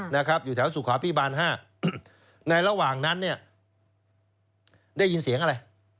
นะครับอยู่แถวสุขาพิบาลห้าในระหว่างนั้นเนี่ยได้ยินเสียงอะไร